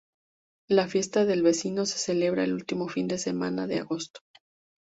La Fiesta del Vecino se celebra el último fin de semana de agosto.